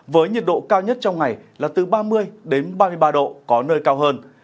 với nhiệt độ cao nhất trong ngày là từ ba mươi đến ba mươi ba độ có nơi cao hơn